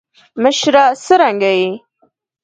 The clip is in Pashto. مشره څرنګه یی.